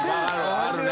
あるね。